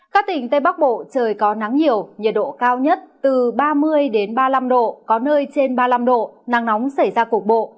các tỉnh tây bắc bộ trời có nắng nhiều nhiệt độ cao nhất từ ba mươi ba mươi năm độ có nơi trên ba mươi năm độ nắng nóng xảy ra cục bộ